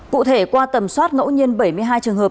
cụ thể qua tầm soát ngẫu nhiên bảy mươi hai trường hợp